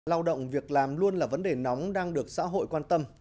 lao động việc làm luôn là vấn đề nóng đang được xã hội quan tâm